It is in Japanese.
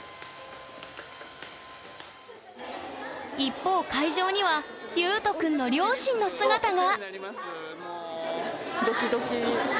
一方会場にはユウト君の両親の姿が！